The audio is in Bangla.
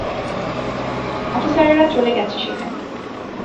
অফিসারেরা চলে গেছে সেখানে।